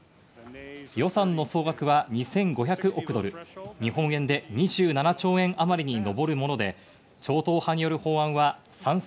予算の総額は２５００億ドル、日本円で２７兆円余りに上るもので、超党派による賛成